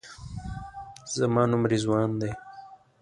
زما نوم رضوان دی.